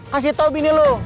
kasih tau bini lo